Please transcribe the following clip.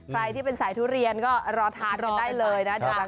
ใครที่เป็นสายทุเรียนก็รอทานเราได้เลยนะ